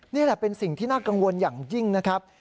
นี่แหละเป็นสิ่งที่น่ากังวลอย่างยิ่งนะครับ